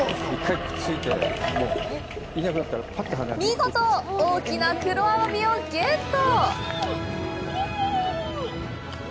見事、大きな黒アワビをゲット！